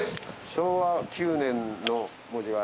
「昭和九年」の文字が。